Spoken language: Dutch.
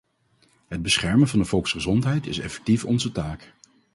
Het beschermen van de volksgezondheid is effectief onze taak.